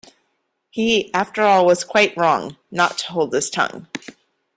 He after all was quite wrong — not to hold his tongue.